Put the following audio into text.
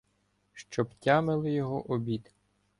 Щоб тямили його обід.